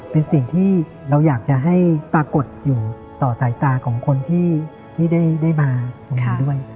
เป็นสิ่งที่เราอยากจะให้ปรากฏอยู่ต่อสายตาของคนที่ได้มาตรงนี้ด้วย